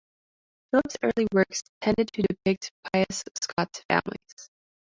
Phillip's early works tended to depict pious Scots families.